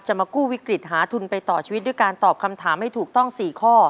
มากู้วิกฤตหาทุนไปต่อชีวิตด้วยการตอบคำถามให้ถูกต้อง๔ข้อ